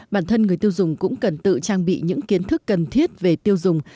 bản thân người tiêu dùng cũng cần tự trang bị những kiến thức cần thiết về tiêu dùng